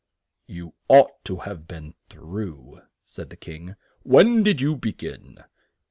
"You ought to have been through," said the King. "When did you be gin?"